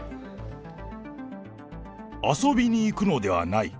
遊びに行くのではない。